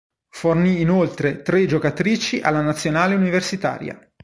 Fornì inoltre tre giocatrici alla Nazionale universitaria.